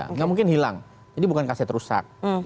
tidak mungkin hilang jadi bukan kaset rusak